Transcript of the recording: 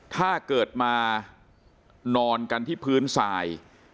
ถ้าเกิดมานอนกันที่พื้นทราย